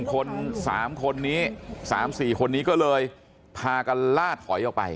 ๓คนที่ซี่คนนี้ก็เลยพากันลาดขอยเอาไป